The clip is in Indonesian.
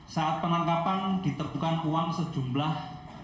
saat penangkapan diterbukan uang sejumlah